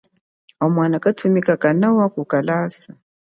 Au mwa kanthumika kanawa kukalasa.